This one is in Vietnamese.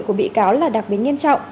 của bị cáo là đặc biệt nghiêm trọng